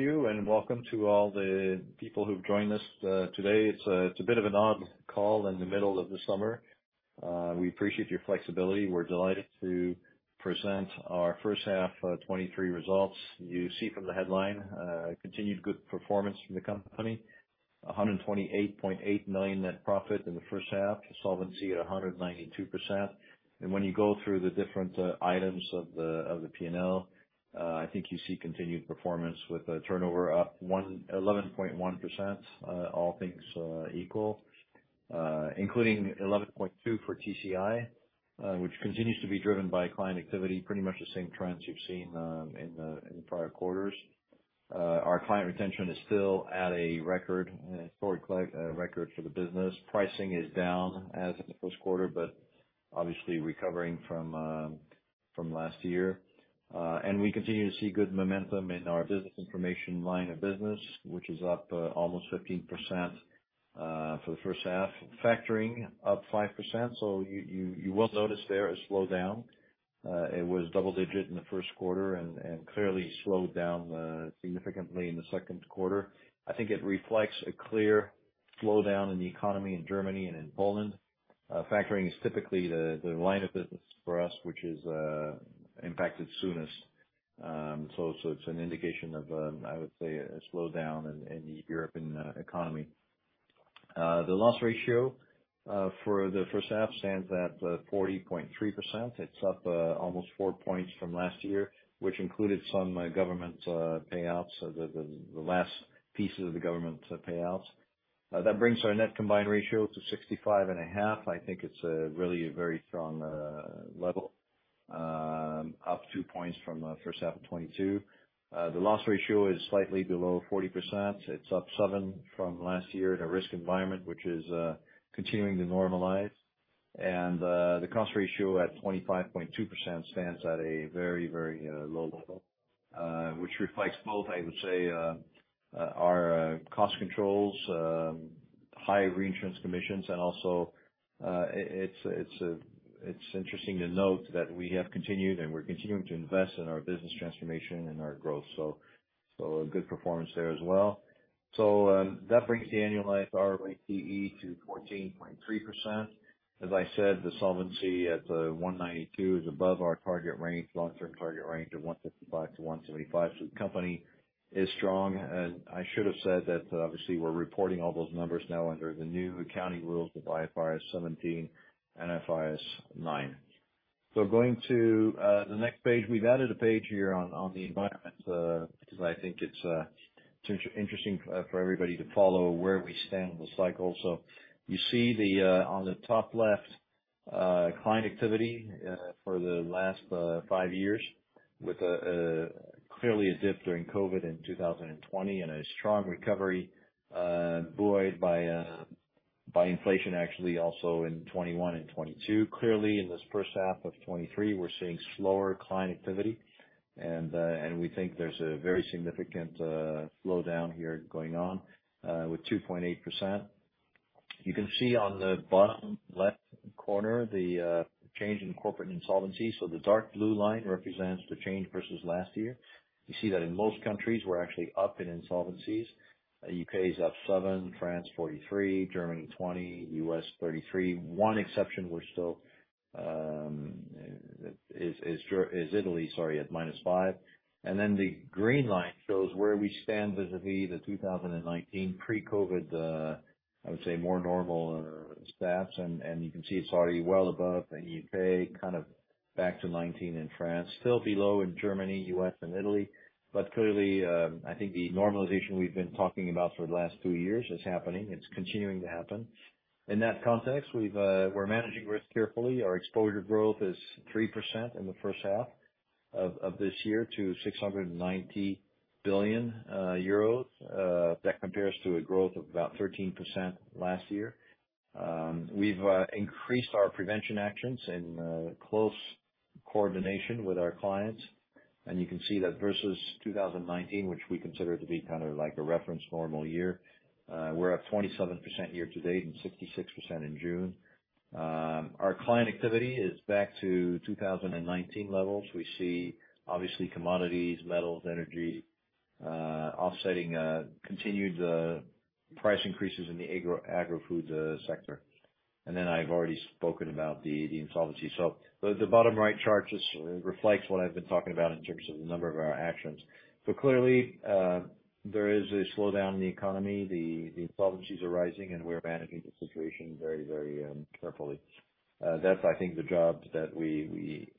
Thank you, and welcome to all the people who've joined us today. It's a bit of an odd call in the middle of the summer. We appreciate your flexibility. We're delighted to present our first half 2023 results. You see from the headline, continued good performance from the company, €128.8 million net profit in the first half, solvency at 192%. When you go through the different items of the P&L, I think you see continued performance with a turnover up 11.1%, all things equal, including 11.2% for TCI, which continues to be driven by client activity, pretty much the same trends you've seen in the prior quarters. Our client retention is still at a record, historic rec- record for the business. Pricing is down as in the Q1, but obviously recovering from, from last year. We continue to see good momentum in our business information line of business, which is up almost 15% for the first half. Factoring up 5%, so you, you, you will notice there a slowdown. It was double digit in the Q1 and, and clearly slowed down significantly in the Q2. I think it reflects a clear slowdown in the economy in Germany and in Poland. Factoring is typically the, the line of business for us, which is impacted soonest. So, it's an indication of, I would say, a slowdown in, in the European economy. The loss ratio for the first half stands at 40.3%. It's up almost 4 points from last year, which included some government payouts, the last pieces of the government payouts. That brings our net combined ratio to 65.5. I think it's a really a very strong level, up 2 points from first half of 2022. The loss ratio is slightly below 40%. It's up seven from last year in a risk environment, which is continuing to normalize. The cost ratio at 25.2% stands at a very, very low level, which reflects both, I would say, our cost controls, high reinsurance commissions, and also, it's interesting to note that we have continued, and we're continuing to invest in our business transformation and our growth. A good performance there as well. That brings the annual life ROE to 14.3%. As I said, the solvency at 192 is above our target range, long-term target range of 155-175. The company is strong. I should have said that obviously we're reporting all those numbers now under the new accounting rules of IFRS 17, IFRS 9. Going to the next page. We've added a page here on, on the environment, because I think it's, it's interesting, for everybody to follow where we stand in the cycle. You see the on the top left, client activity, for the last five years, with a, clearly a dip during COVID in 2020, and a strong recovery, buoyed by inflation, actually, also in 2021 and 2022. Clearly, in this first half of 2023, we're seeing slower client activity, and we think there's a very significant slowdown here going on, with 2.8%. You can see on the bottom left corner, the change in corporate insolvency. The dark blue line represents the change versus last year. You see that in most countries, we're actually up in insolvencies. U.K. up 7%, France up 43%, Germany up 20%, U.S. up 33%. One exception, we're still, is Italy, sorry, at -5%. Then the green line shows where we stand vis-a-vis the 2019 pre-COVID, I would say more normal, stats. You can see it's already well above the U.K., kind of back to 19 in France. Still below in Germany, U.S., and Italy. Clearly, I think the normalization we've been talking about for the last two years is happening. It's continuing to happen. In that context, we've, we're managing risk carefully. Our exposure growth is 3% in the first half of, of this year to €690 billion. That compares to a growth of about 13% last year. We've increased our prevention actions in close coordination with our clients. You can see that versus 2019, which we consider to be kind of like a reference normal year, we're at 27% year to date and 66% in June. Our client activity is back to 2019 levels. We see obviously commodities, metals, energy, offsetting continued price increases in the agro- agri-food sector. Then I've already spoken about the, the insolvency. The, the bottom right chart just reflects what I've been talking about in terms of the number of our actions. Clearly, there is a slowdown in the economy. The, the insolvencies are rising, and we're managing the situation very, very carefully. That's, I think, the job that we, we,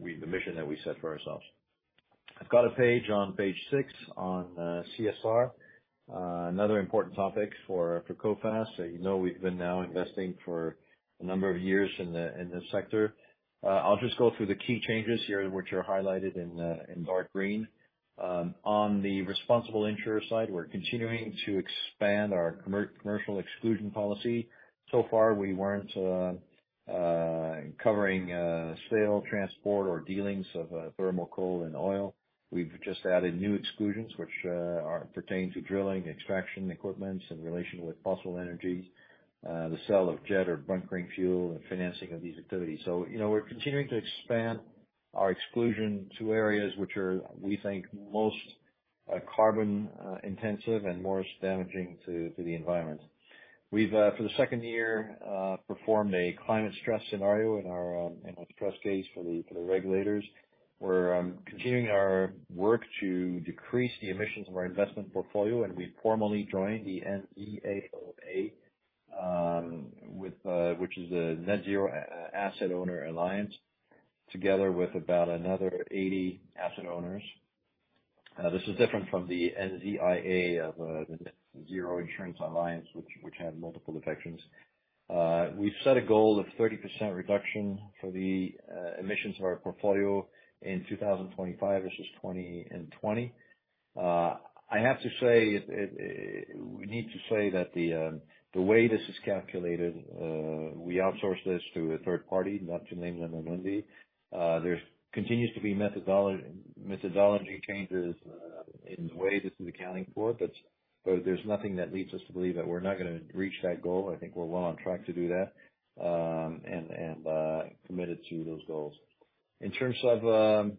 we... The mission that we set for ourselves. I've got a page on page six on CSR, another important topic for Coface. You know, we've been now investing for a number of years in the, in this sector. I'll just go through the key changes here, which are highlighted in dark green. On the responsible insurer side, we're continuing to expand our commer- commercial exclusion policy. So far, we weren't covering sale, transport, or dealings of thermal coal and oil. We've just added new exclusions, which are, pertain to drilling, extraction equipments in relation with fossil energy, the sale of jet or bunkering fuel, and financing of these activities. You know, we're continuing to expand our exclusion to areas which are, we think, most-... carbon intensive and more damaging to the environment. We've, for the second year, performed a climate stress scenario in our, in our stress case for the, for the regulators. We're continuing our work to decrease the emissions of our investment portfolio, and we formally joined the NZAOA, with, which is a Net Zero Asset Owner Alliance, together with about another 80 asset owners. This is different from the NZIA, of, the Net Zero Insurance Alliance, which, which had multiple defections. We've set a goal of 30% reduction for the emissions of our portfolio in 2025 versus 2020. I have to say, it, it, we need to say that the, the way this is calculated, we outsource this to a third party, not to name them on Monday. There's continues to be methodology changes in the way this is accounting for it, but there's nothing that leads us to believe that we're not gonna reach that goal. I think we're well on track to do that, and committed to those goals. In terms of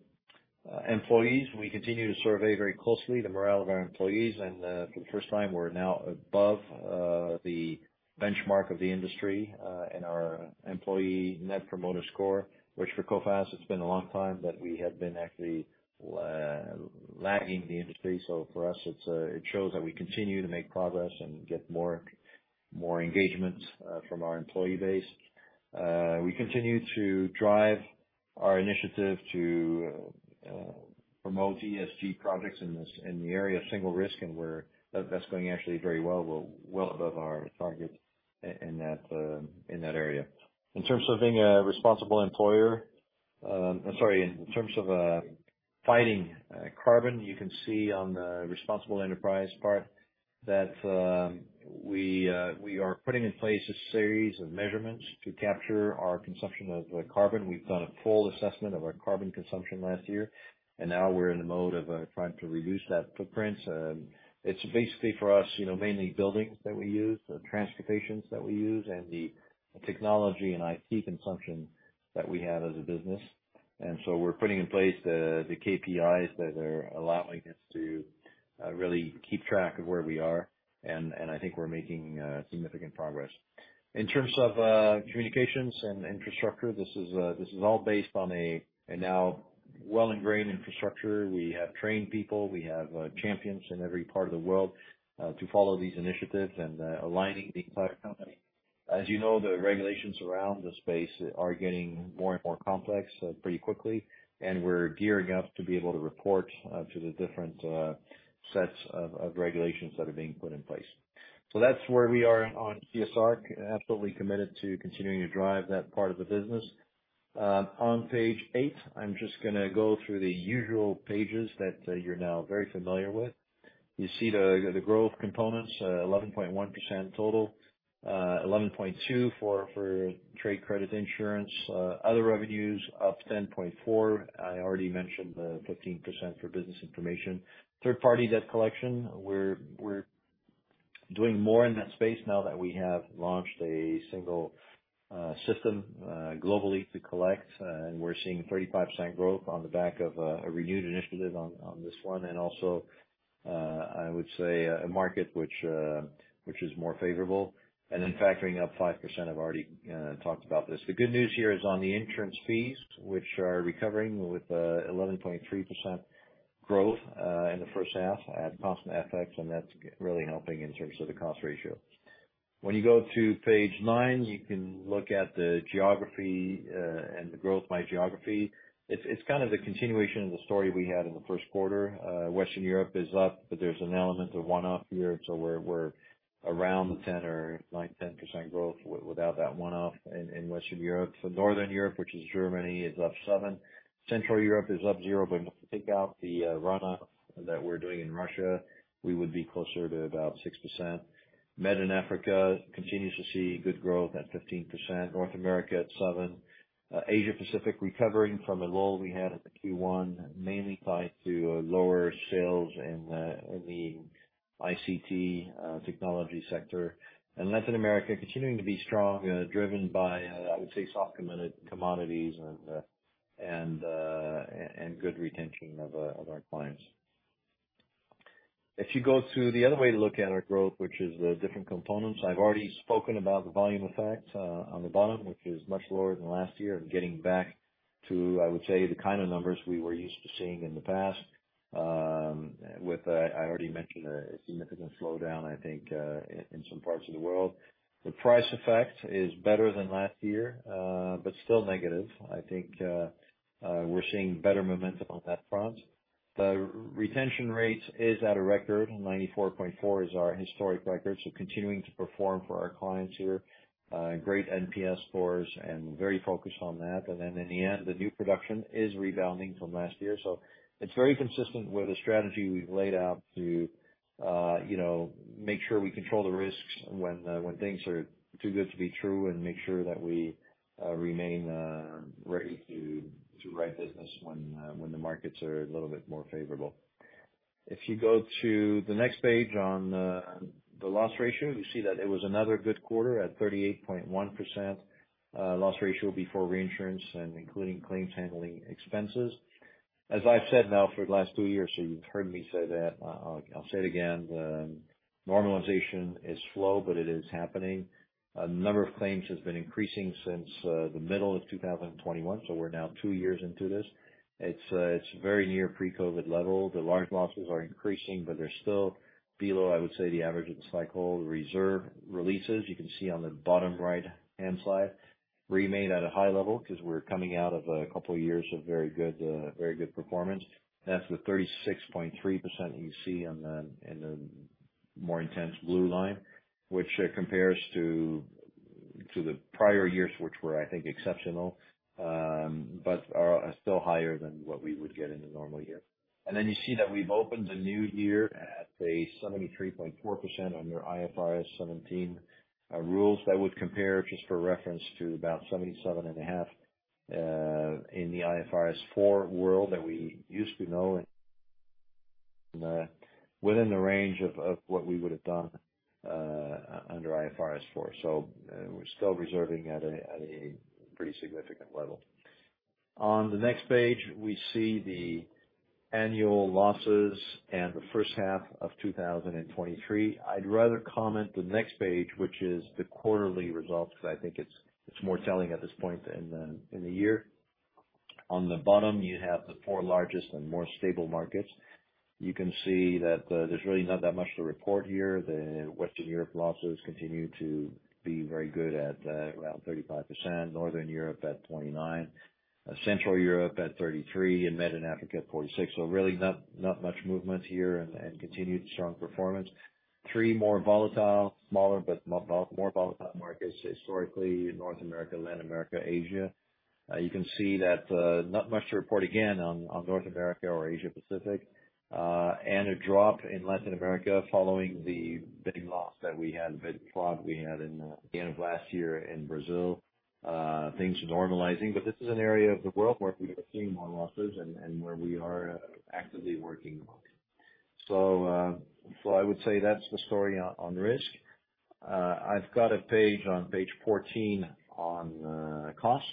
employees, we continue to survey very closely the morale of our employees, and for the first time, we're now above the benchmark of the industry in our Employee Net Promoter Score, which for Coface, it's been a long time that we have been actually lagging the industry. For us, it's it shows that we continue to make progress and get more, more engagement from our employee base. We continue to drive our initiative to promote ESG projects in this- in the area of single risk, and that's going actually very well. We're well above our target i- in that, in that area. In terms of being a responsible employer, sorry, in terms of fighting carbon, you can see on the responsible enterprise part that we are putting in place a series of measurements to capture our consumption of carbon. We've done a full assessment of our carbon consumption last year, and now we're in the mode of trying to reduce that footprint. It's basically for us, you know, mainly buildings that we use, the transportations that we use, and the technology and IT consumption that we have as a business. We're putting in place the, the KPIs that are allowing us to really keep track of where we are, and, and I think we're making significant progress. In terms of communications and infrastructure, this is, this is all based on a, a now well-ingrained infrastructure. We have trained people. We have champions in every part of the world to follow these initiatives and aligning the entire company. As you know, the regulations around the space are getting more and more complex pretty quickly, and we're gearing up to be able to report to the different sets of regulations that are being put in place. That's where we are on CSR, absolutely committed to continuing to drive that part of the business. On page 8, I'm just gonna go through the usual pages that you're now very familiar with. You see the, the growth components, 11.1% total, 11.2% for trade credit insurance. Other revenues up 10.4%. I already mentioned the 15% for business information. Third-party debt collection, we're, we're doing more in that space now that we have launched a single system globally to collect, and we're seeing 35% growth on the back of a, a renewed initiative on, on this one. Also, I would say a market which, which is more favorable. Then factoring up 5%, I've already talked about this. The good news here is on the insurance fees, which are recovering with 11.3% growth in the first half at constant FX, and that's really helping in terms of the cost ratio. When you go to page 9, you can look at the geography and the growth by geography. It's, it's kind of the continuation of the story we had in the Q1. Western Europe is up, but there's an element of one-off here, so we're, we're around 9-10% growth without that one-off in Western Europe. Northern Europe, which is Germany, is up 7. Central Europe is up 0, but if you take out the run-off that we're doing in Russia, we would be closer to about 6%. Middle and Africa continues to see good growth at 15%. North America at 7. Asia Pacific, recovering from a lull we had at the Q1, mainly tied to lower sales in the ICT technology sector. Latin America continuing to be strong, driven by, I would say, soft committed commodities and and and good retention of our clients. If you go to the other way to look at our growth, which is the different components, I've already spoken about the volume effect on the bottom, which is much lower than last year and getting back to, I would say, the kind of numbers we were used to seeing in the past, with I already mentioned a significant slowdown, I think, in some parts of the world. The price effect is better than last year, but still negative. I think we're seeing better momentum on that front. The retention rate is at a record. 94.4 is our historic record, so continuing to perform for our clients here, great NPS scores and very focused on that. In the end, the new production is rebounding from last year. It's very consistent with the strategy we've laid out to, you know, make sure we control the risks when things are too good to be true, and make sure that we remain ready to write business when the markets are a little bit more favorable. If you go to the next page on the loss ratio, you see that it was another good quarter at 38.1% loss ratio before reinsurance and including claims handling expenses. As I've said now for the last two years, so you've heard me say that, I'll, I'll say it again. The normalization is slow, but it is happening. A number of claims has been increasing since the middle of 2021, so we're now two years into this. It's, it's very near pre-COVID level. The large losses are increasing, but they're still below, I would say, the average of the cycle. The reserve releases, you can see on the bottom right-hand side, remain at a high level because we're coming out of a couple of years of very good, very good performance. That's the 36.3% you see on the, in the more intense blue line, which compares to, to the prior years, which were, I think, exceptional, but are still higher than what we would get in a normal year. Then you see that we've opened the new year at a 73.4% on your IFRS 17 rules. That would compare, just for reference, to about 77.5% in the IFRS 4 world that we used to know, and within the range of what we would have done under IFRS 4. We're still reserving at a pretty significant level. On the next page, we see the annual losses and the first half of 2023. I'd rather comment the next page, which is the quarterly results, because I think it's, it's more telling at this point in the, in the year. On the bottom, you have the four largest and more stable markets. You can see that there's really not that much to report here. The Western Europe losses continue to be very good at around 35%, Northern Europe at 29, Central Europe at 33, and Middle Africa at 46. Really not, not much movement here and, and continued strong performance. Three more volatile, smaller, but more volatile markets, historically, North America, Latin America, Asia. You can see that not much to report again on North America or Asia Pacific. A drop in Latin America following the big loss that we had, big flood we had in the end of last year in Brazil. Things are normalizing, but this is an area of the world where we've seen more losses and where we are actively working. I would say that's the story on risk. I've got a page on page 14 on cost.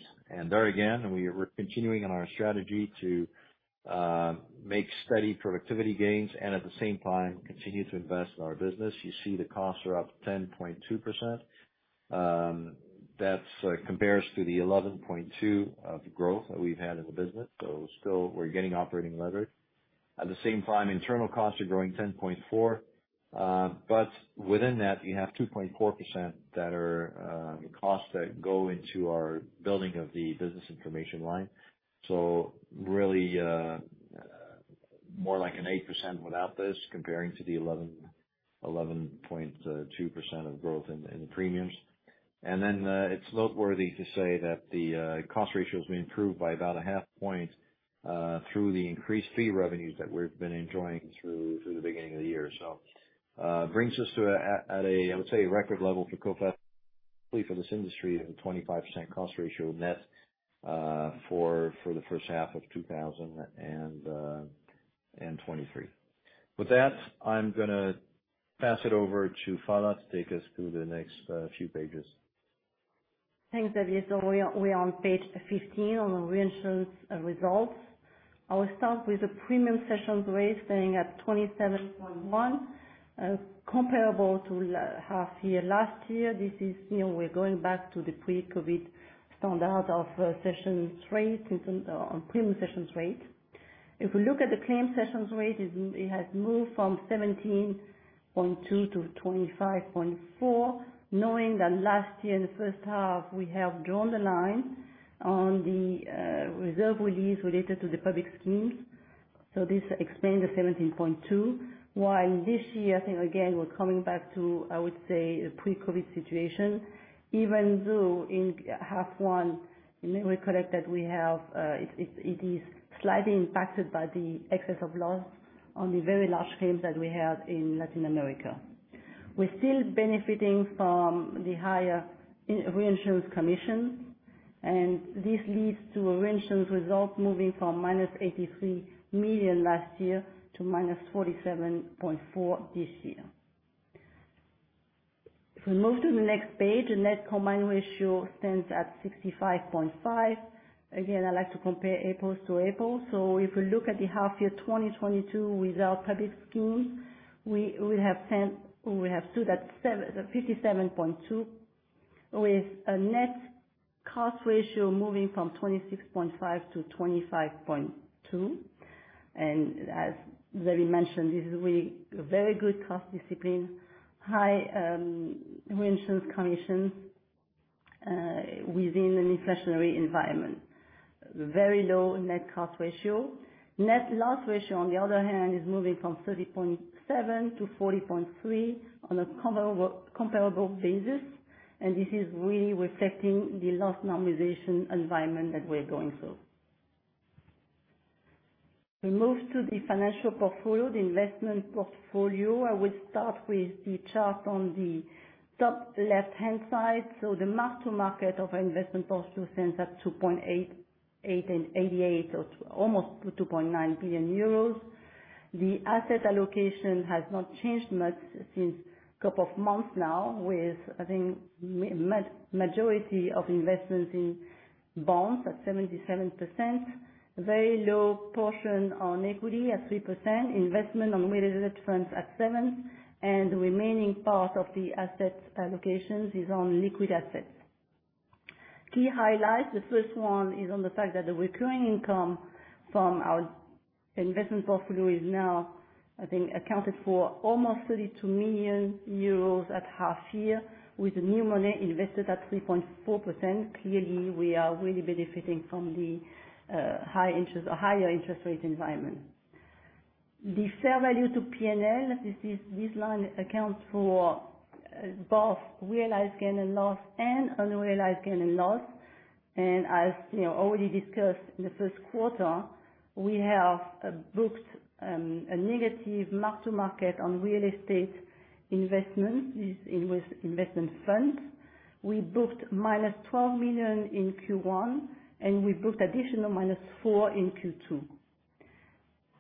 There again, we're continuing on our strategy to make steady productivity gains and at the same time, continue to invest in our business. You see the costs are up 10.2%. That compares to the 11.2% of growth that we've had in the business. Still we're getting operating leverage. At the same time, internal costs are growing 10.4, within that, you have 2.4% that are costs that go into our building of the business information line. Really, more like an 8% without this, comparing to the 11.2% of growth in the premiums. It's noteworthy to say that the cost ratio has been improved by about a 0.5 point through the increased fee revenues that we've been enjoying through the beginning of the year. Brings us to a, at a, I would say, record level for Coface, for this industry of a 25% cost ratio net for the first half of 2023. With that, I'm gonna pass it over to Phalla to take us through the next few pages. Thanks, Xavier. We are, we are on page 15 on the reinsurance results. I will start with the premium cessions rate staying at 27.1, comparable to half year last year. This is, you know, we're going back to the pre-COVID standard of sessions rate in terms on premium cessions rate. If we look at the claim cessions rate, it has moved from 17.2 to 25.4, knowing that last year, in the first half, we have drawn the line on the reserve release related to the public schemes. This explains the 17.2. While this year, I think again, we're coming back to, I would say, a pre-COVID situation, even though in half one, let me correct that we have, it is slightly impacted by the excess of loss on the very large claims that we had in Latin America. We're still benefiting from the higher in- reinsurance commission. This leads to reinsurance results moving from -83 million last year to -47.4 million this year. If we move to the next page, the net combined ratio stands at 65.5%. Again, I'd like to compare Aprils to April. If we look at the half year 2022 without public scheme, we have stood at 57.2%, with a net cost ratio moving from 26.5% to 25.2%. As Xavier mentioned, this is really a very good cost discipline, high reinsurance commission within an inflationary environment. Very low net cost ratio. Net loss ratio, on the other hand, is moving from 30.7 to 40.3 on a comparable, comparable basis, and this is really reflecting the loss normalization environment that we're going through. We move to the financial portfolio, the investment portfolio. I will start with the chart on the top left-hand side. The mark to market of our investment portfolio stands at 2.888, or almost €2.9 billion. The asset allocation has not changed much since couple of months now, with I think, majority of investments in bonds at 77%, very low portion on equity at 3%, investment on real estate front at 7%, and the remaining part of the assets allocations is on liquid assets. Key highlights, the first one is on the fact that the recurring income from our investment portfolio is now, I think, accounted for almost 32 million euros at half-year, with new money invested at 3.4%. Clearly, we are really benefiting from the high interest or higher interest rate environment. The fair value to P&L, this line accounts for both realized gain and loss and unrealized gain and loss. As you know, already discussed in the Q1, we have booked a negative mark to market on real estate investments, this in with investment funds. We booked -12 million in Q1, and we booked additional -4 in Q2.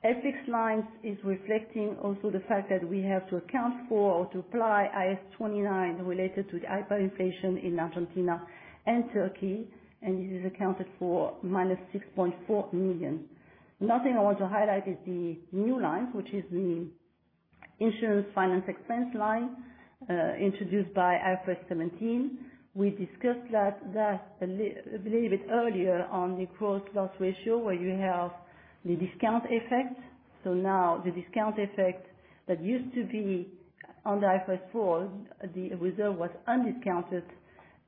FX lines is reflecting also the fact that we have to account for, or to apply IAS 29, related to the hyperinflation in Argentina and Turkey, and this is accounted for -6.4 million. Another thing I want to highlight is the new line, which is the Insurance Finance Expense line, introduced by IFRS 17. We discussed that a little bit earlier on the quote-plus ratio, where you have the discount effect. Now, the discount effect that used to be under IFRS 4, the reserve was undiscounted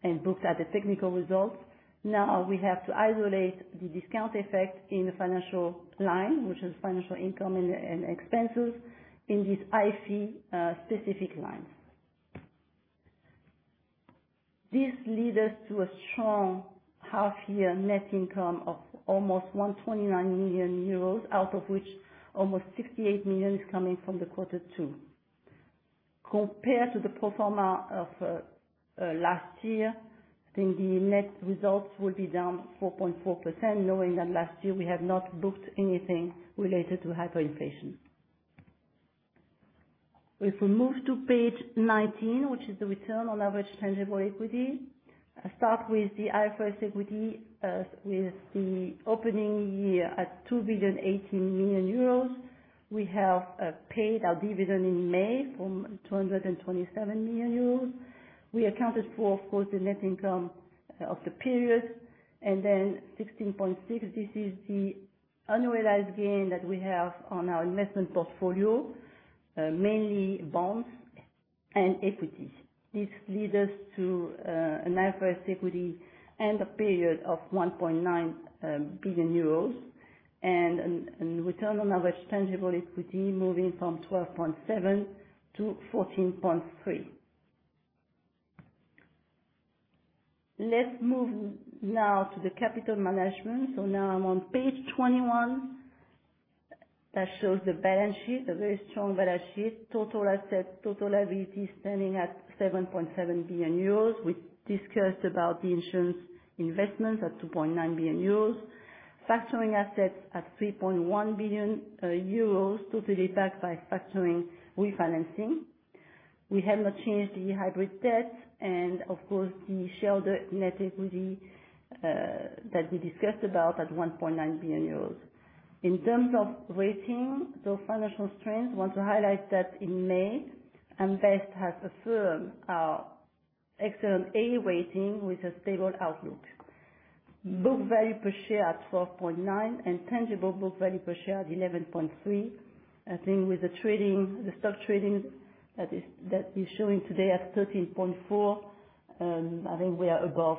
and booked as a technical result. We have to isolate the discount effect in the financial line, which is financial income and expenses in this IFRS specific line. This leads us to a strong half year net income of almost 129 million euros, out of which almost 68 million is coming from the quarter two. Compared to the pro forma of last year, I think the net results will be down 4.4%, knowing that last year we have not booked anything related to hyperinflation. If we move to page 19, which is the Return on Average Tangible Equity, I start with the IFRS equity with the opening year at 2.08 billion euros. We have paid our dividend in May from €227 million. We accounted for, of course, the net income of the period, and then 16.6. This is the unrealized gain that we have on our investment portfolio, mainly bonds and equities. This leads us to an IFRS equity end of period of €1.9 billion and return on average tangible equity moving from 12.7 to 14.3. Let's move now to the capital management. Now I'm on page 21. That shows the balance sheet, a very strong balance sheet. Total assets, total liability standing at €7.7 billion. We discussed about the insurance investments at 2.9 billion euros. Factoring assets at 3.1 billion euros, totally backed by factoring refinancing. We have not changed the hybrid debt, of course, the shareholder net equity, that we discussed about at 1.9 billion euros. In terms of rating, the financial strength, want to highlight that in May, AM Best has affirmed our excellent A rating with a stable outlook. Book value per share at 12.9 and tangible book value per share at 11.3. I think with the trading, the stock trading that is, that is showing today at 13.4, I think we are above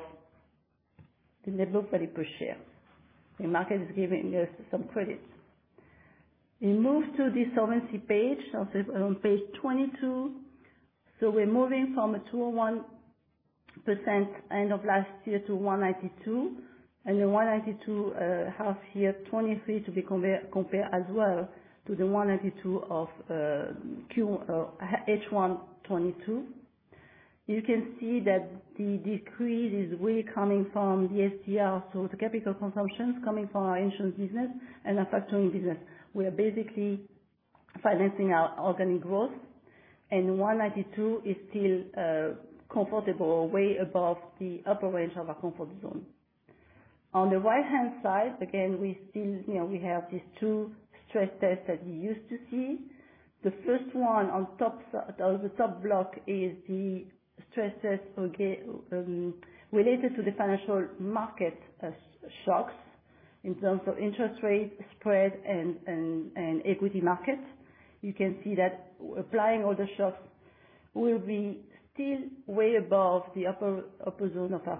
the net book value per share. The market is giving us some credits. We move to the solvency page on page 22. We're moving from a 201% end of last year to 192, and the 192 half year '23 to be compared as well to the 192 of H1 '22. You can see that the decrease is really coming from the SDR, so the capital consumptions coming from our insurance business and our factoring business. We are basically financing our organic growth, and 192 is still comfortable, way above the upper range of our comfort zone. On the right-hand side, again, we still, you know, we have these two stress tests that you used to see. The first one on top, on the top block, is the stress test, okay, related to the financial market shocks, in terms of interest rate, spread, and, and, and equity markets. You can see that applying all the shocks, we'll be still way above the upper zone of a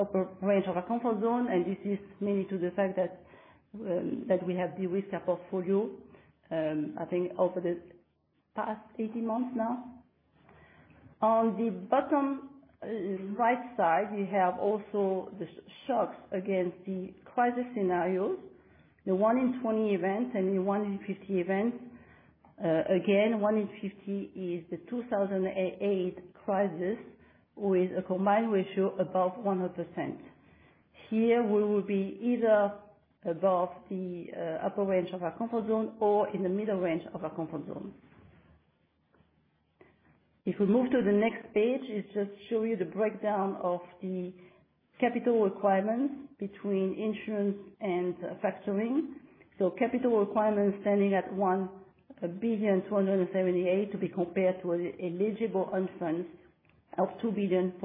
upper range of our comfort zone, and this is mainly to the fact that we have de-risked our portfolio, I think over the past 18 months now. On the bottom, right side, we have also the shocks against the crisis scenario, the 1 in 20 event and the 1 in 50 event. Again, 1 in 50 is the 2008 crisis, with a combined ratio above 100%. here we will be either above the upper range of our comfort zone or in the middle range of our comfort zone. If we move to the next page, it just show you the breakdown of the capital requirements between insurance and factoring. Capital requirements standing at €1.278 billion, to be compared to an eligible unfund of €2.451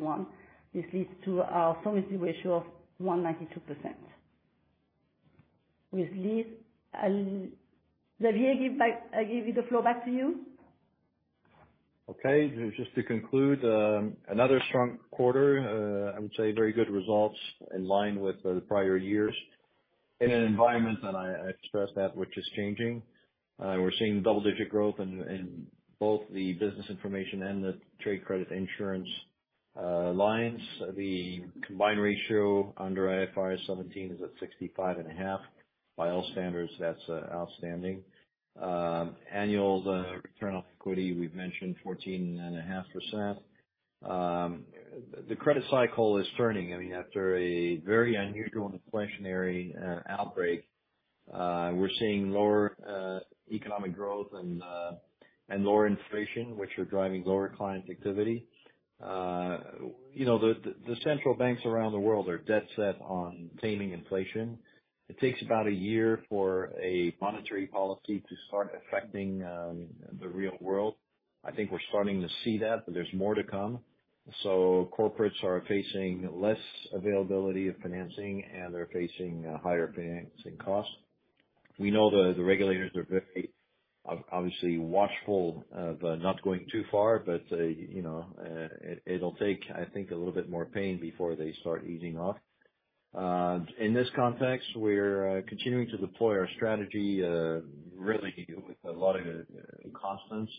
billion. This leads to our solvency ratio of 192%. With this, I'll, Xavier, give back, I give the floor back to you. Okay. Just, just to conclude, another strong quarter, I would say very good results in line with the prior years, in an environment, and I, I express that, which is changing. We're seeing double-digit growth in, in both the business information and the trade credit insurance lines. The combined ratio under IFRS 17 is at 65.5. By all standards, that's outstanding. Annual return on equity, we've mentioned 14.5%. The credit cycle is turning, I mean, after a very unusual inflationary outbreak, we're seeing lower economic growth and lower inflation, which are driving lower client activity. You know, the, the, the central banks around the world are dead set on taming inflation. It takes about a year for a monetary policy to start affecting the real world. I think we're starting to see that, but there's more to come. Corporates are facing less availability of financing, and they're facing higher financing costs. We know the, the regulators are very obviously watchful, but not going too far, but, you know, it, it'll take, I think, a little bit more pain before they start easing off. In this context, we're continuing to deploy our strategy, really with a lot of constants.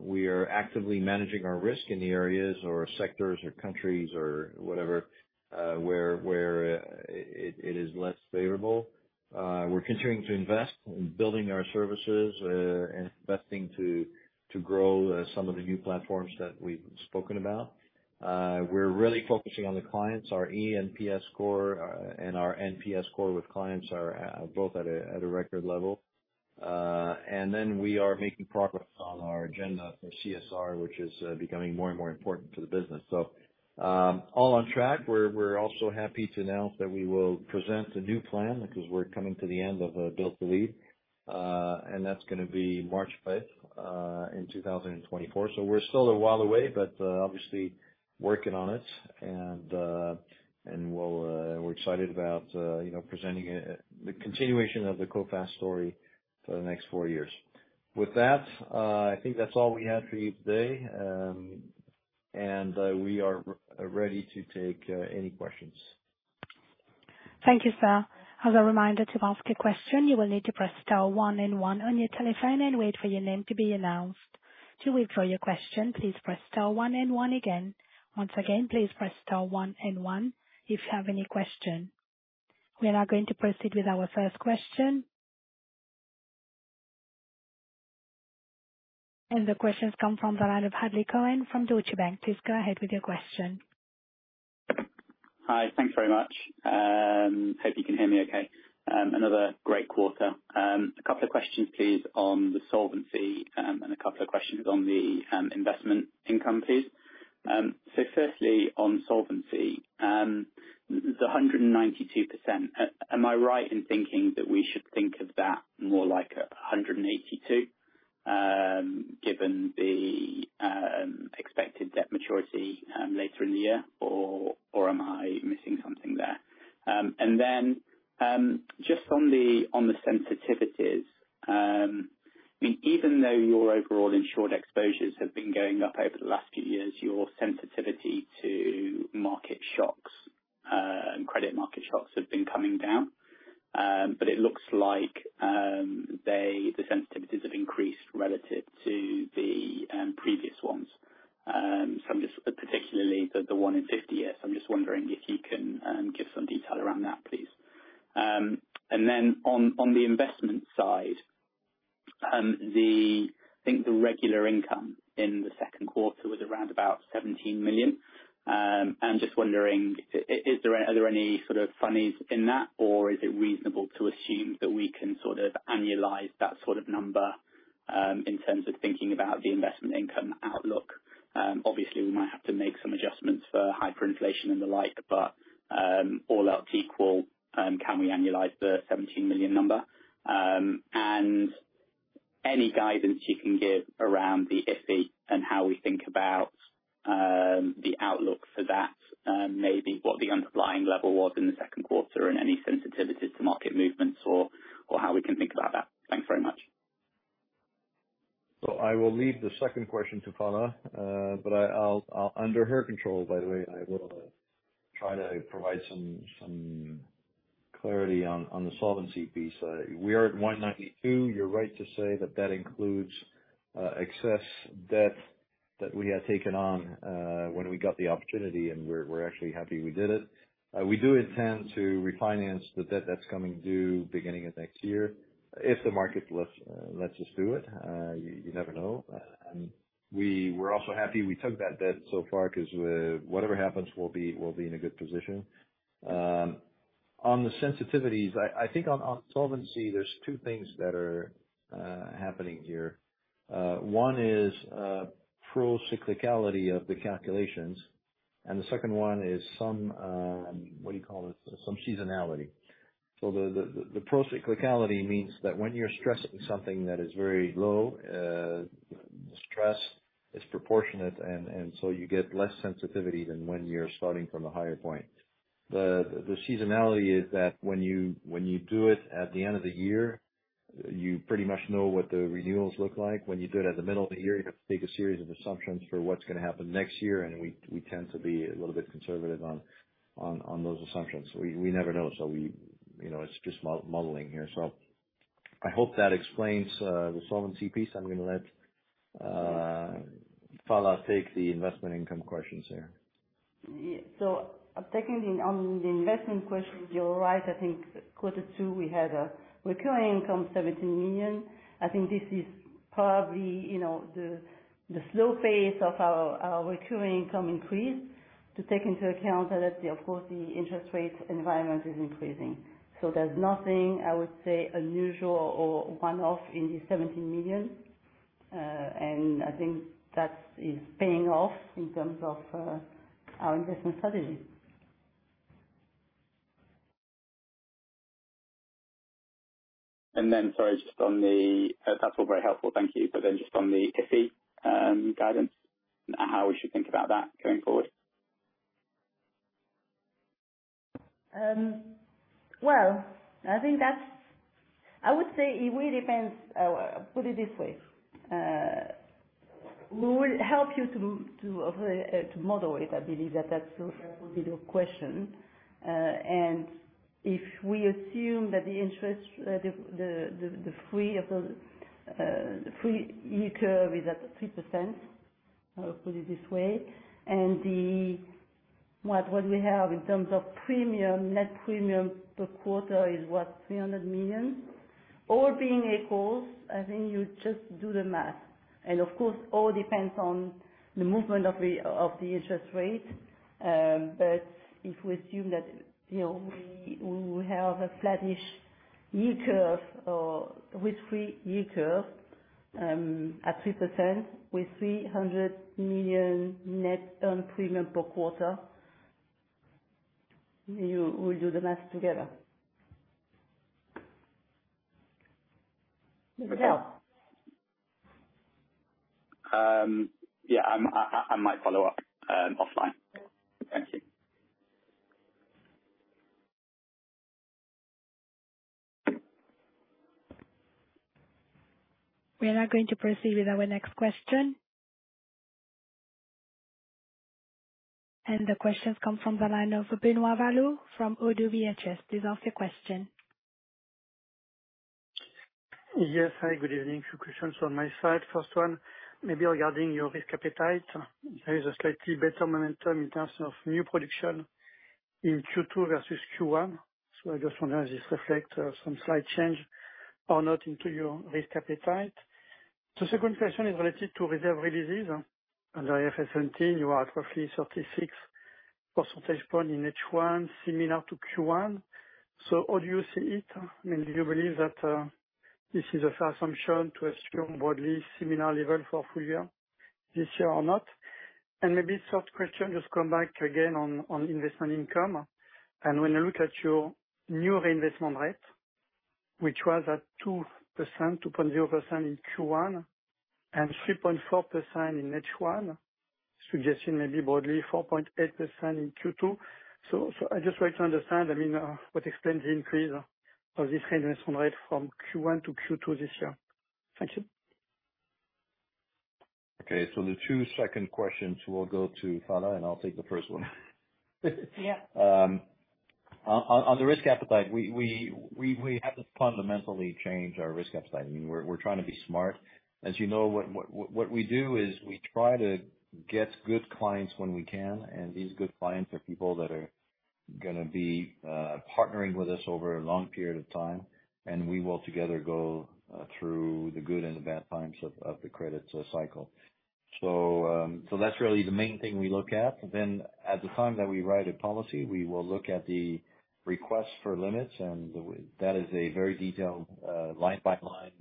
We are actively managing our risk in the areas, or sectors, or countries, or whatever, where, where, it, it is less favorable. We're continuing to invest in building our services, investing to, to grow, some of the new platforms that we've spoken about. We're really focusing on the clients. Our E NPS score, and our NPS score with clients are both at a record level. We are making progress on our agenda for CSR, which is becoming more and more important to the business. All on track. We're also happy to announce that we will present a new plan, because we're coming to the end of Build to Lead. That's gonna be March fifth in 2024. We're still a while away, but obviously working on it. We're excited about, you know, presenting it, the continuation of the Coface story for the next four years. With that, I think that's all we have for you today. We are ready to take any questions. Thank you, sir. As a reminder, to ask a question, you will need to press star one and one on your telephone and wait for your name to be announced. To withdraw your question, please press star one and one again. Once again, please press star one and one if you have any question. We are now going to proceed with our first question. The question's come from the line of Hadley Cohen from Deutsche Bank. Please go ahead with your question. Hi, thanks very much. Hope you can hear me okay. Another great quarter. A couple of questions, please, on the solvency, and a couple of questions on the investment income, please. Firstly, on solvency, the 192%, am I right in thinking that we should think of that more like a 182, given the expected debt maturity later in the year, or am I missing something there? Just on the sensitivities, I mean, even though your overall insured exposures have been going up over the last few years, your sensitivity to market shocks, and credit market shocks have been coming down. It looks like they, the sensitivities have increased relative to the previous ones. I'm just... Particularly the, the 1 in 50 years. I'm just wondering if you can give some detail around that, please. Then on, on the investment side, the, I think the regular income in the Q2 was around about €17 million. Just wondering, i-is there, are there any sort of funnies in that, or is it reasonable to assume that we can sort of annualize that sort of number, in terms of thinking about the investment income outlook? Obviously, we might have to make some adjustments for hyperinflation and the like, but, all else equal, can we annualize the €17 million number? Any guidance you can give around the HIPI and how we think about the outlook for that, maybe what the underlying level was in the Q2 and any sensitivities to market movements or, or how we can think about that? Thanks very much. I will leave the second question to Phalla, but I, I'll, under her control, by the way, I will try to provide some, some clarity on, on the solvency piece. We are at 192. You're right to say that that includes excess debt that we had taken on, when we got the opportunity, and we're, we're actually happy we did it. We do intend to refinance the debt that's coming due beginning of next year, if the market lets, lets us do it. You, you never know. We were also happy we took that debt so far, because whatever happens, we'll be, we'll be in a good position. On the sensitivities, I, I think on, on solvency, there's 2 things that are happening here. One is pro-cyclicality of the calculations, and the second one is some, what do you call it? Some seasonality. The pro-cyclicality means that when you're stressing something that is very low, the stress is proportionate, and so you get less sensitivity than when you're starting from a higher point. The seasonality is that when you do it at the end of the year, you pretty much know what the renewals look like. When you do it at the middle of the year, you have to take a series of assumptions for what's gonna happen next year, and we tend to be a little bit conservative on those assumptions. We never know, so we, you know, it's just modeling here. I hope that explains the solvency piece. I'm gonna let Phalla take the investment income questions here. Yeah. Taking on the investment question, you're right. I think quarter two, we had a recurring income 17 million. I think this is probably, you know, the, the slow phase of our, our recurring income increase to take into account that of course, the interest rate environment is increasing. There's nothing, I would say, unusual or one-off in the 17 million. I think that is paying off in terms of our investment strategy. Sorry, just on the... that's all very helpful, thank you. Just on the IFI guidance, how we should think about that going forward? Well, I think that's, I would say it really depends. Put it this way, we will help you to, to, to model it. I believe that that's will be your question. If we assume that the interest, the, the, the free of the free yield curve is at 3%, put it this way, and the... What, what we have in terms of premium, net premium per quarter is, what? 300 million. All being equal, I think you just do the math. Of course, all depends on the movement of the interest rate. If we assume that, you know, we, we have a flattish yield curve or risk-free yield curve, at 3% with 300 million net earn premium per quarter, you, we do the math together. Okay. Yeah. Yeah, I'm, I, I, might follow up, offline. Thank you. We are now going to proceed with our next question. The question comes from the line of Benoit Valleaux from ODDO BHF. Please ask your question. Yes. Hi, good evening. Two questions on my side. First one, maybe regarding your risk appetite. There is a slightly better momentum in terms of new production in Q2 versus Q1. I just want to just reflect some slight change or not into your risk appetite. The second question is related to reserve releases. Under IFRS 17, you are at roughly 36 percentage points in H1, similar to Q1. How do you see it? I mean, do you believe that this is a fair assumption to assume broadly similar level for full year, this year or not? Maybe third question, just come back again on investment income. When you look at your new reinvestment rate, which was at 2%, 2.0% in Q1 and 3.4% in H1, suggesting maybe broadly 4.8% in Q2. I'd just like to understand, I mean, what explains the increase of this reinvestment rate from Q1 to Q2 this year? Thank you. Okay. The 2 second questions will go to Phalla, and I'll take the first one. Yeah. On, on, on the risk appetite, we, we, we, we haven't fundamentally changed our risk appetite. I mean, we're, we're trying to be smart. As you know, what, what, what we do is we try to get good clients when we can, and these good clients are people that are gonna be partnering with us over a long period of time, and we will together go through the good and the bad times of, of the credit cycle. So, so that's really the main thing we look at. Then at the time that we write a policy, we will look at the request for limits, and that is a very detailed, line-by-line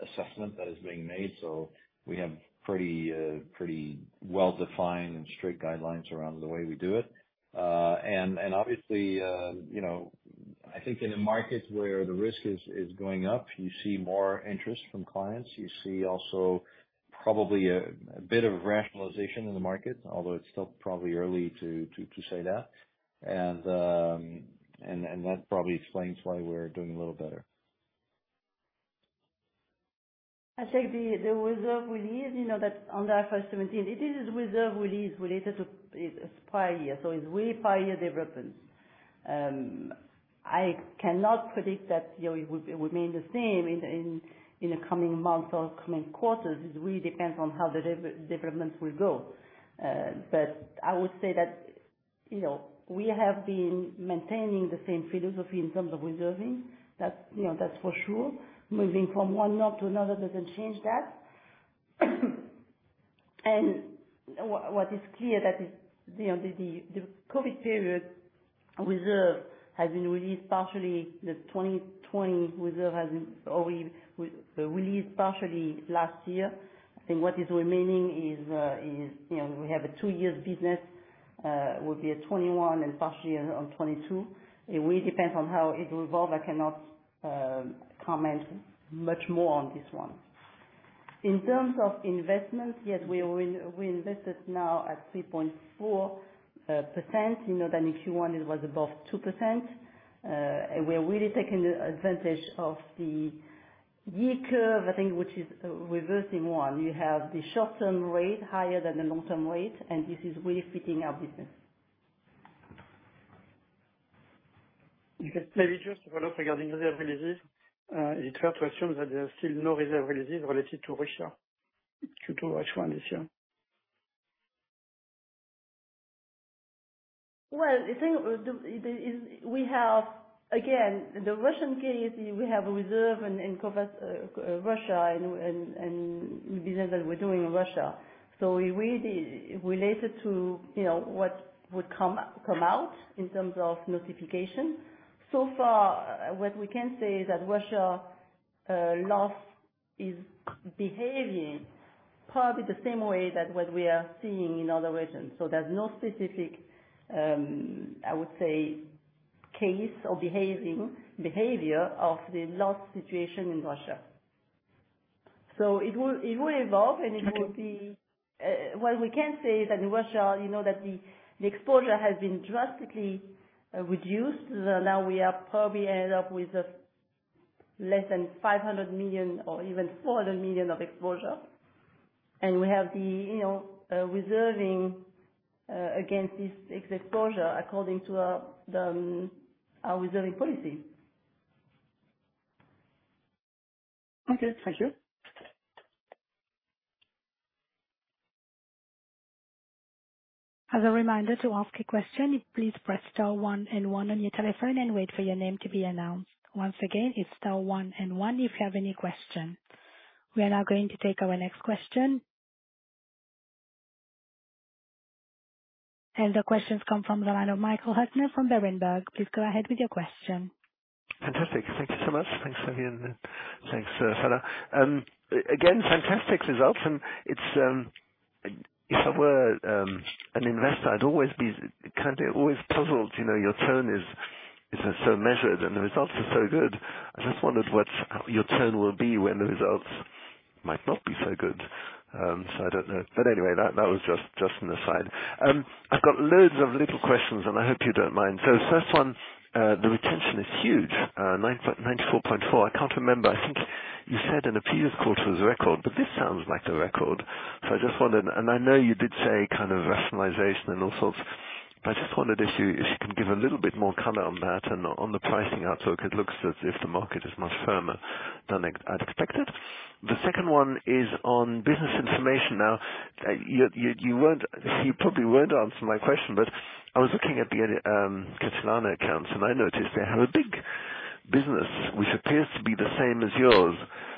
assessment that is being made. So we have pretty, pretty well-defined and strict guidelines around the way we do it. obviously, you know, I think in a market where the risk is, is going up, you see more interest from clients. You see also probably a bit of rationalization in the market, although it's still probably early to say that. That probably explains why we're doing a little better. I think the, the reserve release, you know, that's under IFRS 17, it is reserve release related to it prior year, so it's really prior year development. I cannot predict that, you know, it would remain the same in, in, in the coming months or coming quarters. It really depends on how the development will go. I would say that, you know, we have been maintaining the same philosophy in terms of reserving. That's, you know, that's for sure. Moving from one norm to another doesn't change that. What, what is clear that, you know, the, the, the COVID period reserve has been released partially, the 2020 reserve has been already released partially last year. I think what is remaining is, is, you know, we have a two-year business, will be a 2021 and partially on 2022. It really depends on how it will evolve. I cannot comment much more on this one. In terms of investment, yes, we will, we invested now at 3.4%. You know, that in Q1 it was above 2%. And we're really taking advantage of the yield curve, I think, which is reversing more. You have the short-term rate higher than the long-term rate, and this is really fitting our business. You can maybe just follow up regarding the releases. Is it fair to assume that there are still no reserve releases related to Russia, Q2 H1 this year? Well, the thing is we have. Again, the Russian case, we have a reserve in cover Russia and business that we're doing in Russia. We really related to, you know, what would come out in terms of notification. Far, what we can say is that Russia loss is behaving probably the same way that what we are seeing in other regions. There's no specific, I would say, case or behavior of the loss situation in Russia. It will evolve, and it will. Okay. What we can say is that in Russia, you know, that the exposure has been drastically reduced. Now we have probably ended up with less than 500 million or even 400 million of exposure. We have the, you know, reserving against this exposure according to the our reserving policy. Okay, thank you. As a reminder, to ask a question, please press star one and one on your telephone and wait for your name to be announced. Once again, it's star one and one if you have any questions. We are now going to take our next question. The question comes from the line of Michael Huttner from Berenberg. Please go ahead with your question. Fantastic. Thank you so much. Thanks, Xavier, and thanks, Phalla. Again, fantastic results. It's, if I were, an investor, I'd always be kind of always puzzled, you know, your tone is, is so measured, and the results are so good. I just wondered what your tone will be when the results might not be so good. So I don't know. Anyway, that, that was just, just an aside. I've got loads of little questions, and I hope you don't mind. First one, the retention is huge, 94.4. I can't remember. I think you said in a previous quarter it was a record, but this sounds like a record. I just wondered, and I know you did say kind of rationalization and all sorts, but I just wondered if you, if you can give a little bit more color on that and on the pricing outlook, it looks as if the market is much firmer than I'd expected. The second one is on business information. Now, you, you, you won't, you probably won't answer my question, but I was looking at the Catalana accounts, and I noticed they have a big business, which appears to be the same as yours.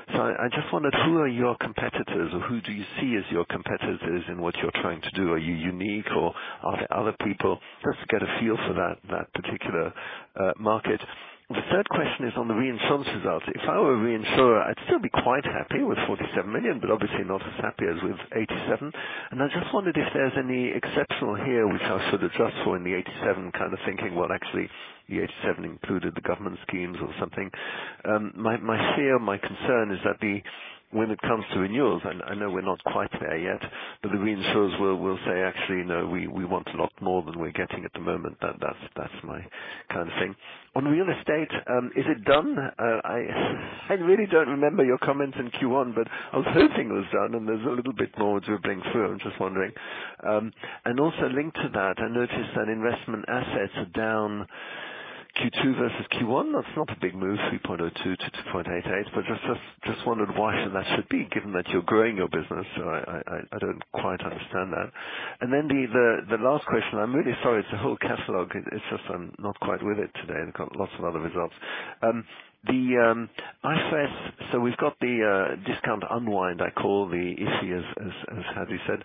I, I just wondered, who are your competitors or who do you see as your competitors in what you're trying to do? Are you unique, or are there other people? Just to get a feel for that, that particular market. The third question is on the reinsurance results. If I were a reinsurer, I'd still be quite happy with 47 million, but obviously not as happy as with 87 million. I just wondered if there's any exceptional here, which I sort of adjust for in the 87 million, kind of thinking, well, actually, the 87 million included the government schemes or something. My, my fear, my concern is that the, when it comes to renewals, and I know we're not quite there yet, but the reinsurers will, will say, "Actually, no, we, we want a lot more than we're getting at the moment." That, that's, that's my kind of thing. On real estate, is it done? I, I really don't remember your comments in Q1, but I was hoping it was done, and there's a little bit more dribbling through. I'm just wondering. Also linked to that, I noticed that investment assets are down Q2 versus Q1. That's not a big move, 3.02 to 2.88, but just, just, just wondered why should that should be, given that you're growing your business? I, I, I, I don't quite understand that. Then the, the, the last question, I'm really sorry, it's a whole catalog. It's just I'm not quite with it today, and I've got lots of other results. The IFRS, we've got the discount unwind, I call the issue as, as, as Xavier said.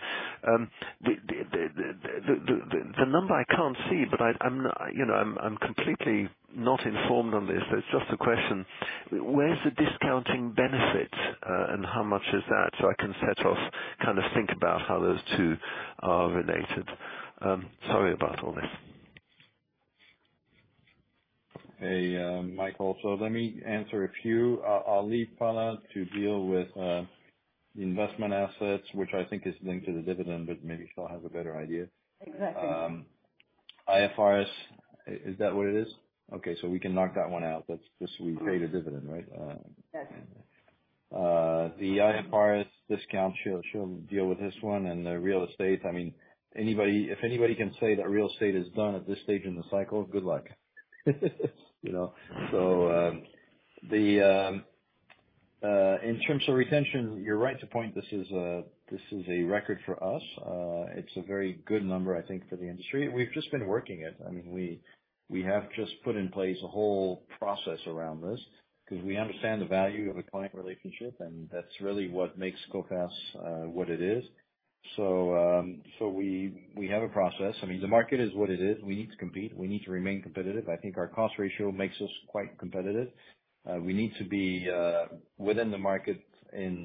The, the, the, the, the, the number I can't see, but I, I'm, you know, I'm, I'm completely not informed on this, but it's just a question: Where's the discounting benefit, and how much is that? I can set off, kind of think about how those two are related. Sorry about all this. Hey, Michael, let me answer a few. I'll leave Phalla to deal with the investment assets, which I think is linked to the dividend, but maybe she'll have a better idea. Exactly. IFRS, is that what it is? Okay, we can knock that one out. That's just we paid a dividend, right? Yes.... the IFRS discount, she'll, she'll deal with this one. The real estate, I mean, anybody, if anybody can say that real estate is done at this stage in the cycle, good luck. You know, in terms of retention, you're right to point, this is a, this is a record for us. It's a very good number, I think, for the industry. We've just been working it. I mean, we have just put in place a whole process around this, because we understand the value of a client relationship, and that's really what makes Coface, what it is. We have a process. I mean, the market is what it is. We need to compete. We need to remain competitive. I think our cost ratio makes us quite competitive. We need to be within the market in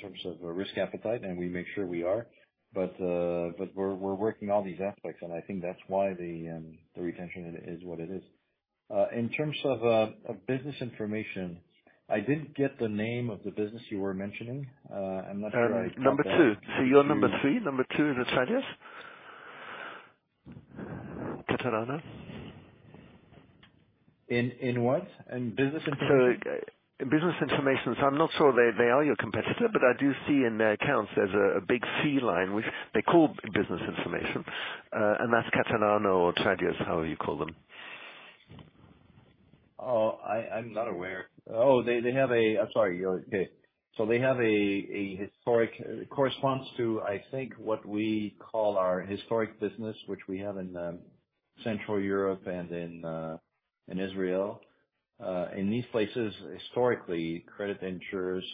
terms of risk appetite, and we make sure we are. We're, we're working all these aspects, and I think that's why the retention is what it is. In terms of business information, I didn't get the name of the business you were mentioning. I'm not sure I- Number 2. You're number 3. Number 2 is Atradius. Catalana Occidente? In, in what? In business information? Business information. I'm not sure they, they are your competitor, but I do see in their accounts there's a, a big C line, which they call business information, and that's Catalana Occidente or Atradius, however you call them. I'm not aware. They have a... I'm sorry, you're -- Okay. They have a historic -- corresponds to, I think, what we call our historic business, which we have in Central Europe and in Israel. In these places, historically, credit insurers,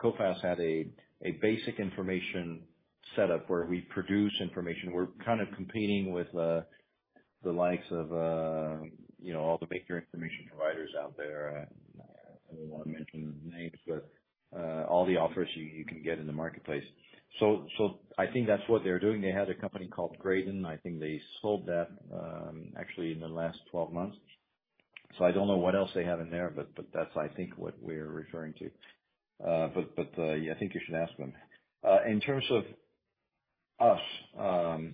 Coface had a basic information setup where we produce information. We're kind of competing with the likes of, you know, all the major information providers out there. I don't want to mention names, but all the offers you can get in the marketplace. I think that's what they're doing. They had a company called Graydon. I think they sold that actually in the last 12 months. I don't know what else they have in there, but that's, I think, what we're referring to. But, yeah, I think you should ask them. In terms of us,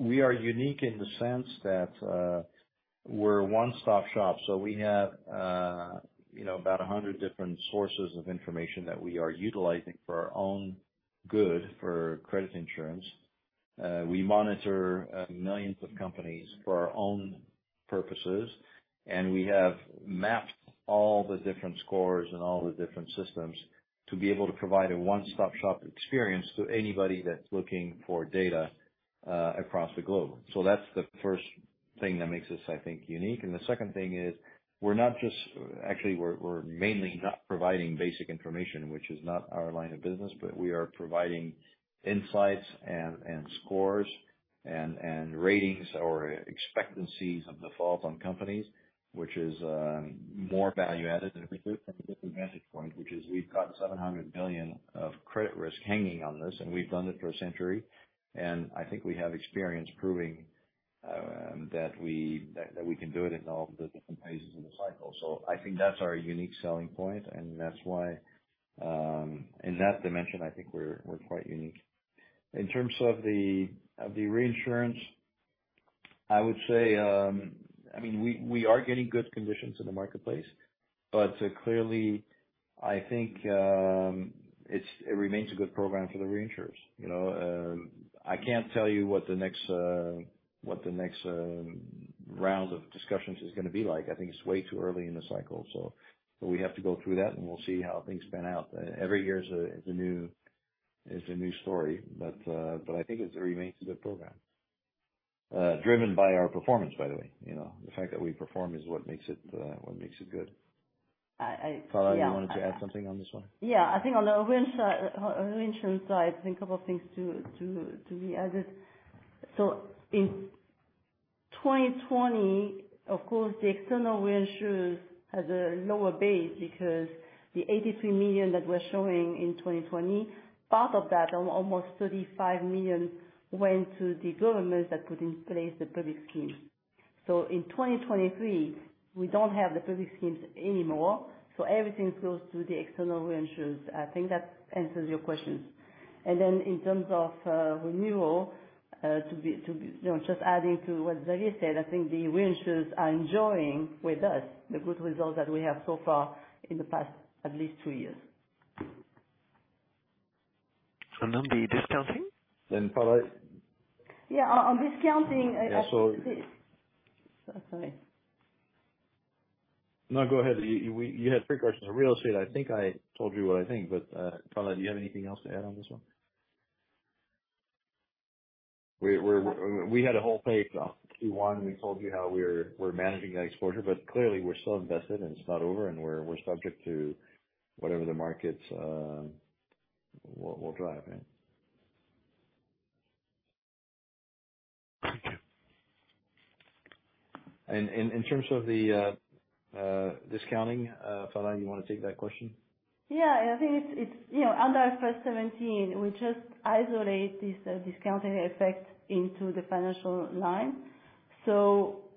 we are unique in the sense that we're a one-stop shop, so we have, you know, about 100 different sources of information that we are utilizing for our own good, for credit insurance. We monitor, millions of companies for our own purposes, and we have mapped all the different scores and all the different systems to be able to provide a one-stop shop experience to anybody that's looking for data, across the globe. That's the first thing that makes us, I think, unique. The second thing is, we're not just... Actually, we're, we're mainly not providing basic information, which is not our line of business, but we are providing insights and, and scores and, and ratings or expectancies of default on companies, which is more value-added, and a different message point, which is we've got 700 billion of credit risk hanging on this, and we've done it for a century. I think we have experience proving that we, that, that we can do it in all the different phases of the cycle. I think that's our unique selling point, and that's why in that dimension, I think we're, we're quite unique. In terms of the, of the reinsurance, I would say, I mean, we, we are getting good conditions in the marketplace, but clearly, I think, it's, it remains a good program for the reinsurers. You know, I can't tell you what the next, what the next, round of discussions is going to be like. I think it's way too early in the cycle, so, but we have to go through that, and we'll see how things pan out. Every year is a, is a new, is a new story, but, but I think it remains a good program. Driven by our performance, by the way, you know. The fact that we perform is what makes it, what makes it good. I. Phalla, you wanted to add something on this one? Yeah, I think on the reinsurance, reinsurance side, I think a couple of things to, to, to be added. In 2020, of course, the external reinsurers has a lower base because the -€83 million that we're showing in 2020, part of that, almost 35 million, went to the government that put in place the public scheme. In 2023, we don't have the public schemes anymore, so everything goes to the external reinsurers. I think that answers your question. Then in terms of renewal, to be, to be, you know, just adding to what Xavier said, I think the reinsurers are enjoying with us the good results that we have so far in the past at least two years. Then the discounting? Phalla? Yeah, on, on discounting. Yeah. Sorry. No, go ahead. You had three questions. On real estate, I think I told you what I think, but Phalla, do you have anything else to add on this one? We had a whole page on Q1. We told you how we're, we're managing the exposure, but clearly we're still invested, and it's not over, and we're, we're subject to whatever the markets will drive. Yeah. In terms of the discounting, Phalla, you want to take that question? Yeah, I think it's, it's, you know, under IFRS 17, we just isolate this discounting effect into the financial line.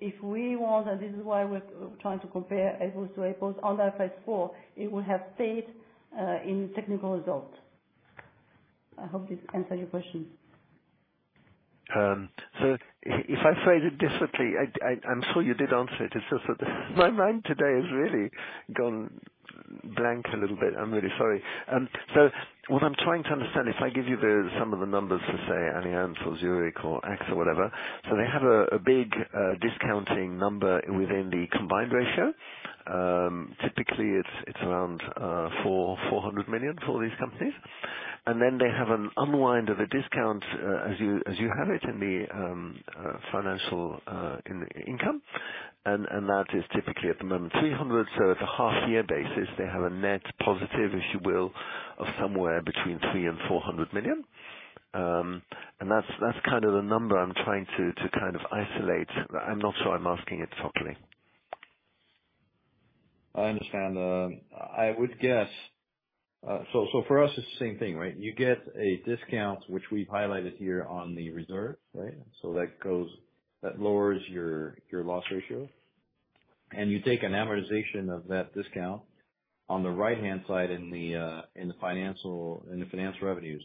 If we want, and this is why we're trying to compare apples to apples, on IFRS 4, it would have stayed in the technical result. I hope this answer your question.... if I phrase it differently, I, I, I'm sure you did answer it. It's just that my mind today has really gone blank a little bit. I'm really sorry. What I'm trying to understand, if I give you the some of the numbers for, say, Allianz or Zurich or AXA or whatever. They have a big discounting number within the combined ratio. Typically, it's around 400 million for these companies. Then they have an unwind of a discount, as you, as you have it in the financial income. That is typically, at the moment, 300. At a half year basis, they have a net positive, if you will, of somewhere between 300 million-400 million. That's, that's kind of the number I'm trying to, to kind of isolate. I'm not sure I'm asking it properly. I understand. I would guess... For us, it's the same thing, right? You get a discount, which we've highlighted here on the reserve, right? That lowers your, your loss ratio, and you take an amortization of that discount on the right-hand side in the, in the financial, in the finance revenues.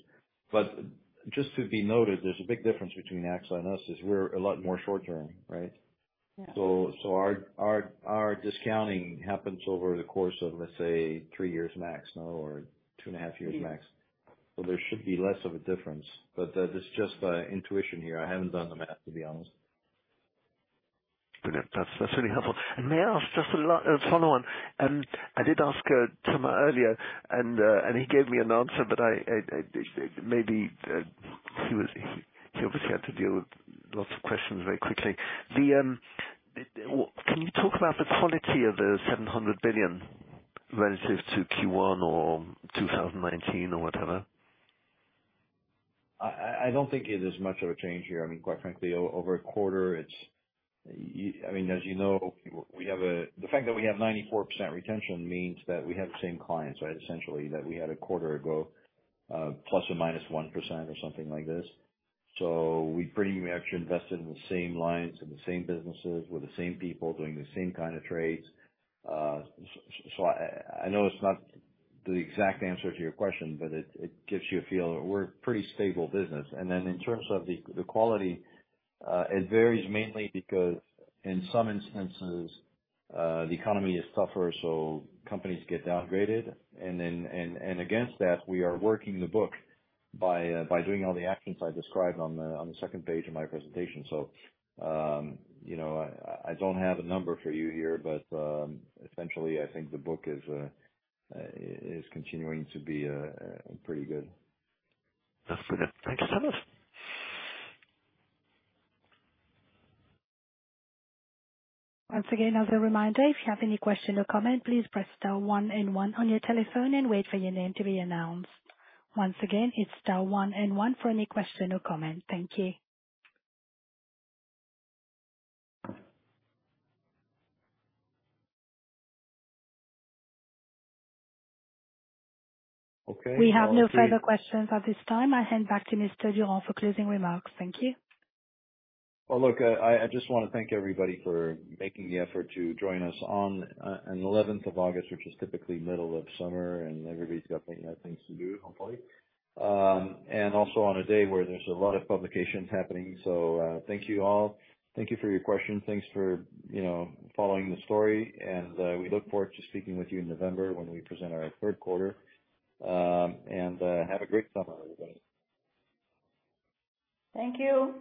Just to be noted, there's a big difference between AXA and us, is we're a lot more short-term, right? Yeah. Our, our, our discounting happens over the course of, let's say, three years max, now, or two and a half years max. Mm-hmm. There should be less of a difference, but, this is just by intuition here. I haven't done the math, to be honest. Good. That's, that's really helpful. May I ask just a follow on? I did ask Thomas earlier, and he gave me an answer, but I, I, I, maybe he was, he, he obviously had to deal with lots of questions very quickly. Can you talk about the quality of the 700 billion relative to Q1 or 2019, or whatever? I don't think it is much of a change here. I mean, quite frankly, over a quarter, it's I mean, as you know, the fact that we have 94% retention means that we have the same clients, right, essentially, that we had a quarter ago, plus or minus 1% or something like this. We pretty much invested in the same lines and the same businesses with the same people, doing the same kind of trades. So I know it's not the exact answer to your question, but it gives you a feel. We're a pretty stable business. Then in terms of the quality, it varies mainly because in some instances, the economy is tougher, so companies get downgraded. Then, and, and against that, we are working the book by doing all the actions I described on the second page of my presentation. You know, I, I don't have a number for you here, but essentially, I think the book is continuing to be pretty good. That's good. Thank you so much. Once again, as a reminder, if you have any question or comment, please press star one and one on your telephone and wait for your name to be announced. Once again, it's star one and one for any question or comment. Thank you. Okay, well- We have no further questions at this time. I hand back to Mr. Durand for closing remarks. Thank you. Well, look, I, I just want to thank everybody for making the effort to join us on an 11th of August, which is typically middle of summer, and everybody's got, you know, things to do, hopefully. Also on a day where there's a lot of publications happening. Thank you all. Thank you for your questions. Thanks for, you know, following the story, and we look forward to speaking with you in November when we present our Q3. Have a great summer, everybody. Thank you.